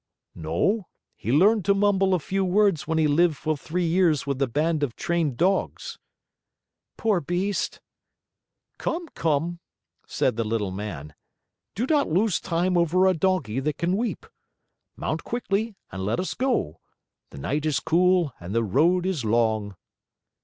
"No, he learned to mumble a few words when he lived for three years with a band of trained dogs." "Poor beast!" "Come, come," said the Little Man, "do not lose time over a donkey that can weep. Mount quickly and let us go. The night is cool and the road is long."